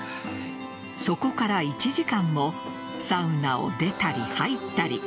そこから１時間もサウナを出たり入ったり。